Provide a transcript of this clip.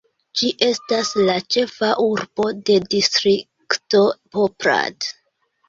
Ĝi estas la ĉefa urbo de distrikto Poprad.